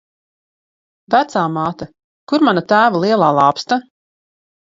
Vecāmāte, kur mana tēva lielā lāpsta?